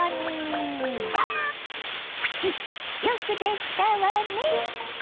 プチよくできたわね。